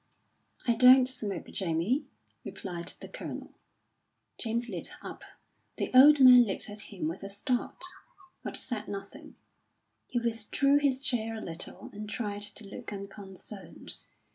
"I don't smoke, Jamie," replied the Colonel. James lit up. The old man looked at him with a start, but said nothing; he withdrew his chair a little and tried to look unconcerned.